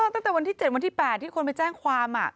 ตั้งแต่วันที่๗วันที่๘ที่คนไปแจ้งความ